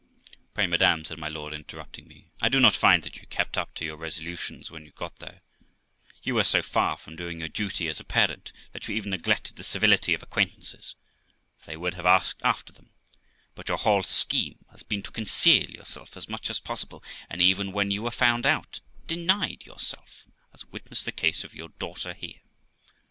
'Pray, madam', said my lord, interrupting me, 'I do not find that you kept up to your resolutions when you got there; you were so far from doing your duty as a parent, that you even neglected the civility of acquaintances, for they would have asked after them, but your whole scheme has been to conceal yourself as much as possible, and even when you were found out, denied yourself, as witness the case of your daughter 408 THE LIFE OF ROXANA here.